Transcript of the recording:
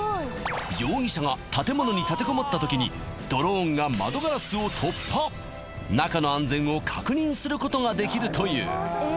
容疑者が建物に立てこもった時にドローンが窓ガラスを突破中の安全を確認することができるという